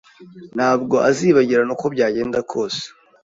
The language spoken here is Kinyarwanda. Ntabwo azibagirana uko byagenda kose.